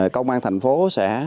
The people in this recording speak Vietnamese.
công an thành phố sẽ